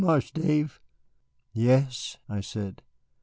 Marse Dave?" "Yes?" I said.